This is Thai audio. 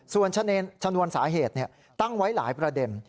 ส่วนชนวนสาเหตุตั้งไว้หลายประเด็น